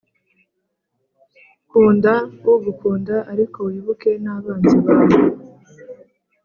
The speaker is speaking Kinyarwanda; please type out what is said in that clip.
kunda ugukunda ariko wibuke nabanzi bawe